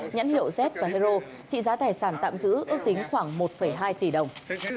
nhãn hiệu z và hero trị giá tài sản tạm giữ ước tính khoảng một hai tỷ đồng